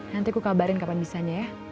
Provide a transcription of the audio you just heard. nanti ku kabarin kapan bisanya ya